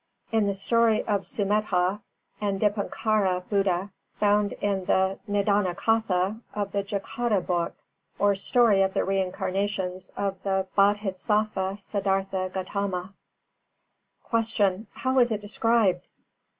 In the story of Sumedha and Dipānkāra Buddha, found in the Nidānakathā of the Jātaka book, or story of the reincarnations of the Bodhisattva Siddhārtha Gautama. 342. Q. _How is it described?